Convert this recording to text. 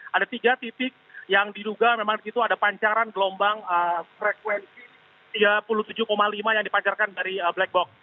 karena ada tiga titik yang diduga memang itu ada pancaran gelombang frekuensi tiga puluh tujuh lima yang dipancarkan dari black box